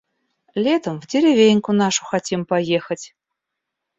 Летом в деревеньку нашу хотим поехать.